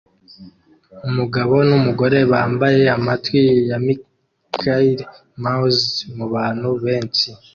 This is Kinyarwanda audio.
umugabo numugore bambaye amatwi ya Mickey Mouse mubantu benshi